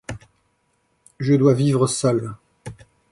Je dois vivre seul.